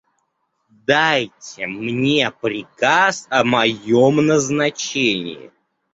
Дайте мне приказ о моем назначении.